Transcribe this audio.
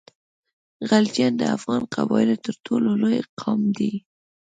غلجیان د افغان قبایلو تر ټولو لوی قام دی.